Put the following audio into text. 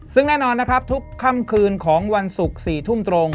ซึ่งแน่นอนนะครับทุกค่ำคืนของวันศุกร์๔ทุ่มตรง